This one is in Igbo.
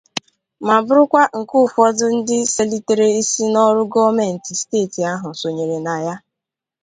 ma bụrụkwa nke ụfọdụ ndị selitere isi n'ọrụ gọọmenti steeti ahụ sònyèrè na ya.